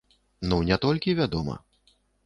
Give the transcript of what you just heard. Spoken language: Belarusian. Ну, не толькі, вядома.